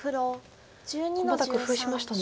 また工夫しましたね。